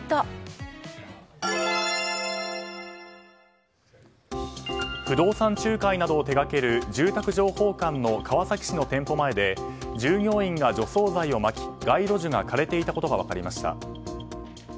睡眠サポート「グリナ」不動産仲介などを手掛ける住宅情報館の川崎市の店舗前で従業員が除草剤をまき街路樹が枯れていたことが分かりました。